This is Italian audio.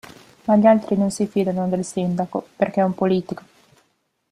Ma gli altri non si fidano del sindaco perché è un politico.